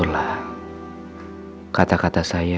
setelah beberapa hari saya ke taufan sudah bahkan